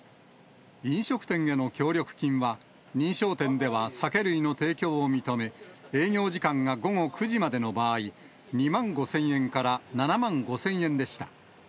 飲食店への協力金は、認証店では酒類の提供を認め、営業時間が午後９時までの場合、２万５０００円から７万５０００円でした。